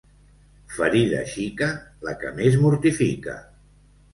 Ferida xica, la que més mortifica.